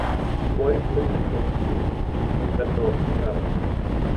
White finished high school at Philips Academy.